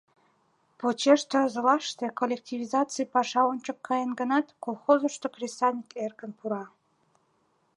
Почеш тылзылаште коллективизаций паша ончык каен гынат, колхозышко кресаньык эркын пура.